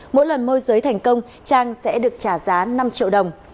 mỗi lần môi giới thành công trang sẽ được trả giá năm triệu đồng